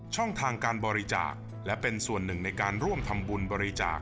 ช่องทางการบริจาคและเป็นส่วนหนึ่งในการร่วมทำบุญบริจาค